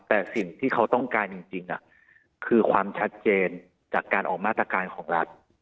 แต่สิ่งที่เขาต้องการจริงคือความชัดเจนจากการออกมาตรการของรัฐ